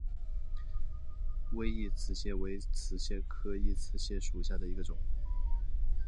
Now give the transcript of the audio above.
微异瓷蟹为瓷蟹科异瓷蟹属下的一个种。